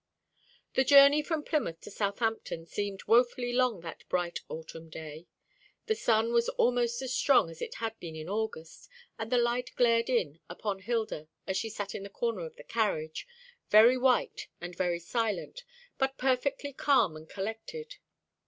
The journey from Plymouth to Southampton seemed woefully long that bright autumn day. The sun was almost as strong as it had been in August, and the light glared in upon Hilda as she sat in the corner of the carriage, very white and very silent, but perfectly calm and collected.